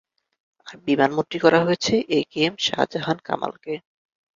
আর বিমানমন্ত্রী করা হয়েছে এ কে এম শাহজাহান কামালকে।